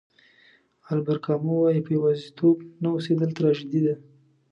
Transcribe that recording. البر کامو وایي په یوازېتوب نه اوسېدل تراژیدي ده.